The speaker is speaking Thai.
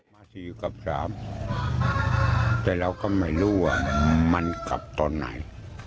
มา๔กับ๓แต่เราก็ไม่รู้ว่ามันกลับตอนไหน